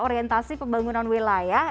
orientasi pembangunan wilayah